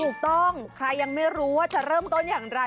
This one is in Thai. ถูกต้องใครยังไม่รู้ว่าจะเริ่มต้นอย่างไร